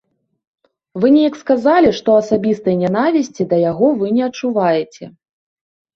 Вы неяк сказалі, што асабістай нянавісці да яго вы не адчуваеце.